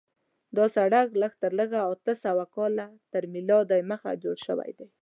دا سړک لږ تر لږه اته سوه کاله تر میلاد دمخه جوړ شوی دی.